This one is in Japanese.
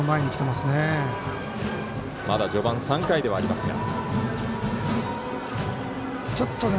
まだ序盤３回ではありますが。